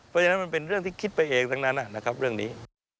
เพราะฉะนั้นมันเป็นเรื่องที่คิดไปเองทั้งนั้นนะครับเรื่องนี้